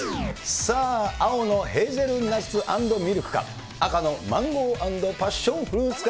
さあ、青のヘーゼルナッツ＆ミルクか、赤のマンゴー＆パッションフルーツか。